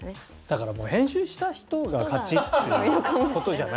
だからもう編集した人が勝ちっていう事じゃない？